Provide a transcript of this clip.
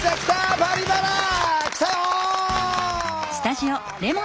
「バリバラ」！来たよ！